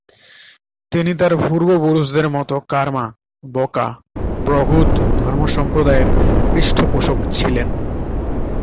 তিনি তার পূর্বপুরুষদের মতো কার্মা-ব্কা'-ব্র্গ্যুদ ধর্মসম্প্রদায়ের পৃষ্ঠপোষক ছিলেন।